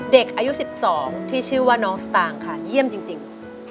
เด็กอายุ๑๒ที่ชื่อว่าน้องสตางค์ค่ะเยี่ยมจริง